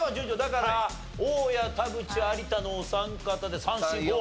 だから大家田渕有田のお三方で。